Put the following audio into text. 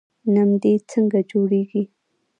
نمدې څنګه جوړیږي؟